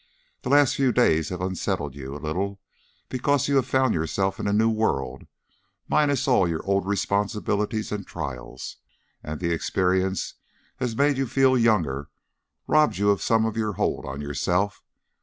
The last few days have unsettled you a little because you have found yourself in a new world, minus all your old responsibilities and trials, and the experience has made you feel younger, robbed you of some of your hold on yourself.